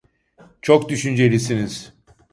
Çok düşüncelisiniz.